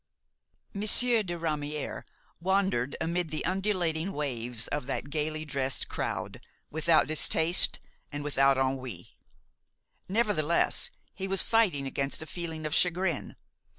V Monsieur de Ramière wandered amid the undulating waves of that gayly dressed crowd without distaste and without ennui. Nevertheless, he was fighting against a feeling of chagrin.